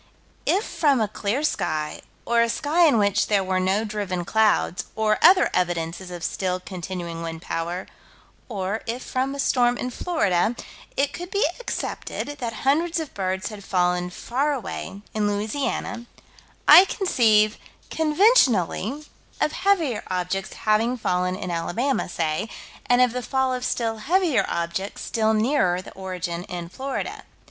If from a clear sky, or a sky in which there were no driven clouds, or other evidences of still continuing wind power or, if from a storm in Florida, it could be accepted that hundreds of birds had fallen far away, in Louisiana, I conceive, conventionally, of heavier objects having fallen in Alabama, say, and of the fall of still heavier objects still nearer the origin in Florida.